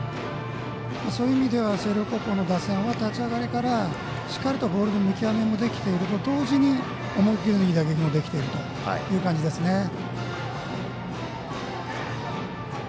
そういう意味では星稜高校の打線は立ち上がりからしっかりとボールの見極めもできていると同時に思いきりのいい打撃もできているという感じですね。